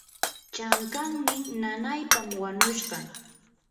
chaqannin nanaypam wanushqa.